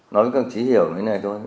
nói với các anh chí hiểu như thế này thôi